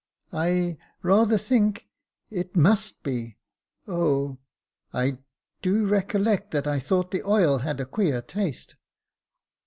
"I — rather think — it must be — oh — I do recollect that I thought the oil had a queer taste."